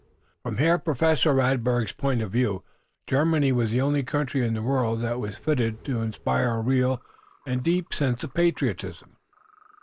From Herr Professor Radberg's point of view Germany was the only country in the world that was fitted to inspire a real and deep sense of patriotism.